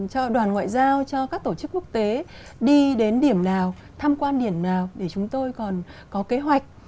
cho đoàn ngoại giao cho các tổ chức quốc tế đi đến điểm nào tham quan điểm nào để chúng tôi còn có kế hoạch